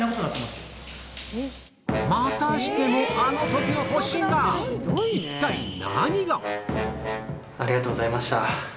またしてもあの時のありがとうございました。